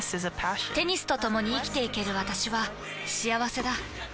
テニスとともに生きていける私は幸せだ。